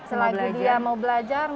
selagi dia mau belajar